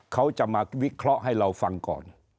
เขาจะมาวิเคราะห์ให้เราฟังก่อน